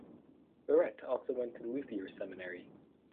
Barrette also went to Luther Seminary.